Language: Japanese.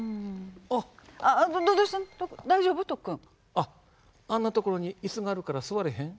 あっあんなところに椅子があるから座らへん？